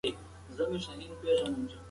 هغه ساه نیولې له خوبه ویښه شوه.